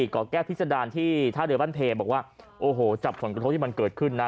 เกาะแก้วพิษดารที่ท่าเรือบ้านเพบอกว่าโอ้โหจับผลกระทบที่มันเกิดขึ้นนะ